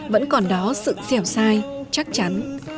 vẫn còn đó sự dẻo sai chắc chắn